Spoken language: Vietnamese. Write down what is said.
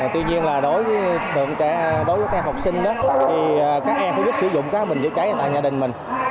tuy nhiên đối với các em học sinh các em cũng rất sử dụng các bụi cháy tại gia đình mình